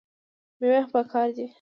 میوې هم پکار دي.